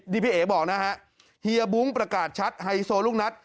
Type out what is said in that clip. พี่เอ๋บอกนะฮะเฮียบุ้งประกาศชัดไฮโซลูกนัด